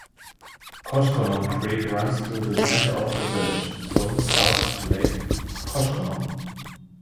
Koshkonong Creek runs through the center of the village, flowing south to Lake Koshkonong.